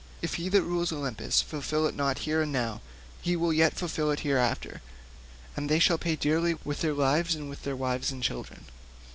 If he that rules Olympus fulfil it not here and now, he will yet fulfil it hereafter, and they shall pay dearly with their lives and with their wives and children.